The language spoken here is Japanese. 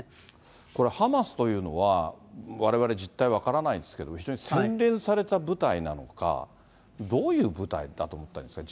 これ、ハマスというのは、われわれ実体分からないんですけど、非常に洗練された部隊なのか、どういう部隊だと思ったらいいんですか。